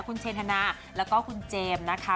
คุณเชนธนาแล้วก็คุณเจมส์นะคะ